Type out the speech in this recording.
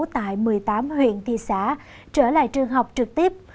tại một mươi tám huyện thị xã trở lại trường học trực tiếp